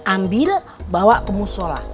ambil bawa ke musola